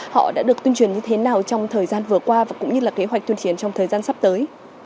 họ đã được tuyên truyền như thế nào trong thời gian vừa qua và cũng như là kế hoạch tuyên chiến trong thời gian sắp tới